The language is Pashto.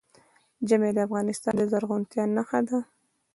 ژمی د افغانستان د زرغونتیا نښه ده.